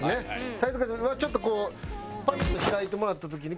ちょっとこうパッと開いてもらった時に。